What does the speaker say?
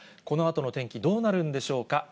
このあとの天気、どうなるんでしょうか。